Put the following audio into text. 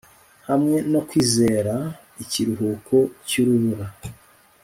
hamwe no kwizera ikiruhuko cy'urubura